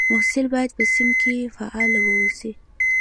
محصل باید په صنف کې فعال واوسي.